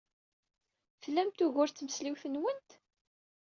Tlamt ugur d tmesliwt-nwent?